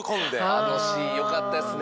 あのシーンよかったですね。